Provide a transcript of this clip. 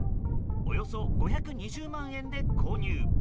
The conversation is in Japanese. およそ５２０万円で購入。